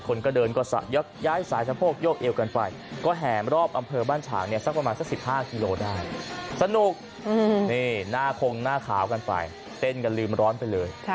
คนก็เดินก็ย้ายสายสะโพกยกเอวกันไป